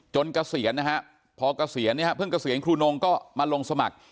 จนพอเกษียณเพิ่งเกษียณคุณงก็มาลงสมัคร